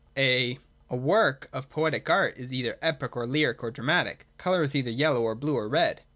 A work of poetic art is either epic or lyric or dramatic. Colour is either yellow or blue or red.